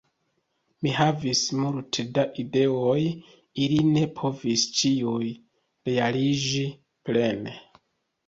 Mi havis multe da ideoj ili ne povis ĉiuj realiĝi plene.